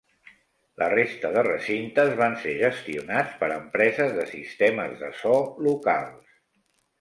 La resta de recintes van ser gestionats per empreses de sistemes de so locals.